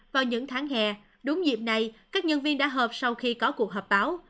vào những tháng hè đúng dịp này các nhân viên đã hợp sau khi có cuộc hợp báo